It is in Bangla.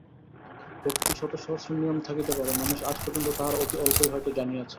প্রকৃতির শতসহস্র নিয়ম থাকিতে পারে, মানুষ আজ পর্যন্ত তাহার অতি অল্পই হয়তো জানিয়াছে।